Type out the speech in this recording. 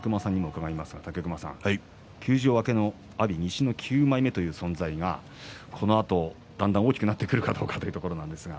休場明けの阿炎西の９枚目という存在がこれから大きくなってくるかどうかというところですが。